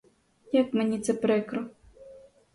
Як мені це прикро!